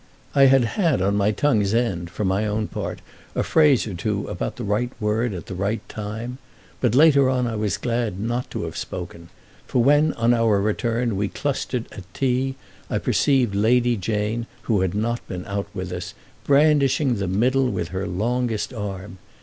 I had had on my tongue's end, for my own part, a phrase or two about the right word at the right time; but later on I was glad not to have spoken, for when on our return we clustered at tea I perceived Lady Jane, who had not been out with us, brandishing The Middle with her longest arm.